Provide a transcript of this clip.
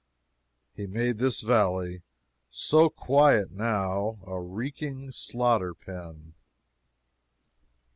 He made this valley, so quiet now, a reeking slaughter pen.